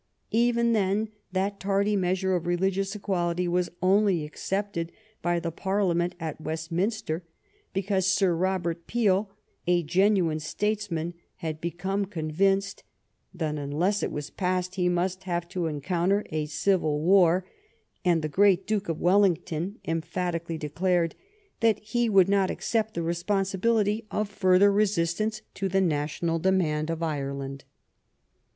Even then that tardy measure of religious equality was only ac cepted by the Parliament at Westminster because Sir Robert Peel, a genuine statesman, had become con vinced that unless it were passed he must have to encounter a civil war^ and the great Duke of Welling ton emphatically declared that he would not accept the responsibility of further resistance to the national demand of Ireland.